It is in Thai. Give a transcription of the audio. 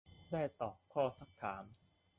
ได้ตอบข้อสักถาม